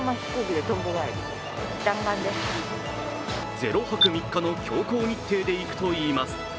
０泊３日の強行日程で行くといいます。